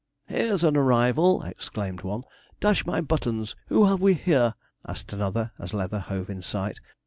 'Here's an arrival!' exclaimed one. 'Dash my buttons, who have we here?' asked another, as Leather hove in sight.